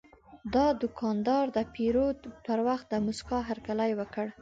دا دوکاندار د پیرود پر وخت د موسکا هرکلی وکړ.